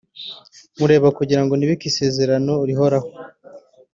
nywureba kugira ngo nibuke isezerano rihoraho